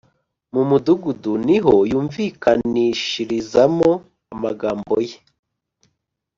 mu mudugudu ni ho yumvikanishirizamo amagambo ye :